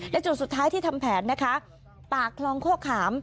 และจุดสุดท้ายที่ทำแผนนะคะปากคลองโฆขาม